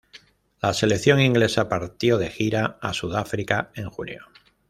La selección inglesa partió de gira a Sudáfrica en junio.